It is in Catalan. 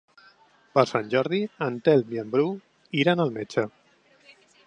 Per Sant Jordi en Telm i en Bru iran al metge.